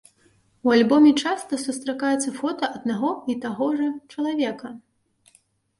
У альбоме часта сустракаецца фота аднаго і таго ж чалавека.